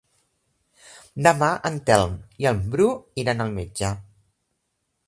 Demà en Telm i en Bru iran al metge.